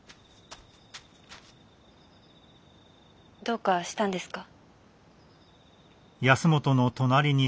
どうかしたんですか？